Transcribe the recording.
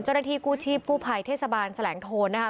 เจ้าหน้าที่กู้ชีพกู้ภัยเทศบาลแสลงโทนนะคะ